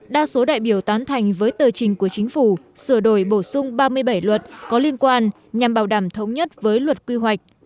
đa số đại biểu tán thành với tờ trình của chính phủ sửa đổi bổ sung ba mươi bảy luật có liên quan nhằm bảo đảm thống nhất với luật quy hoạch